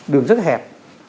đường rất hẹp